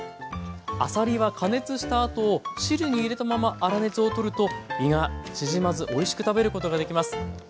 あさりは加熱したあと汁に入れたまま粗熱を取ると身が縮まずおいしく食べることができます。